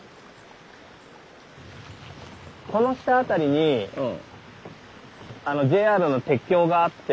この下辺りにＪＲの鉄橋があって。